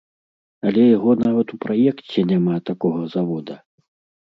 Але яго нават у праекце няма, такога завода!